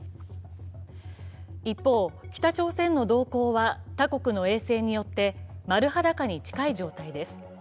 一方、北朝鮮の動向は他国の衛星によって丸裸に近い状態です。